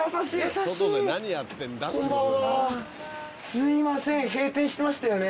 すいません閉店してましたよね？